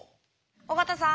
尾形さん。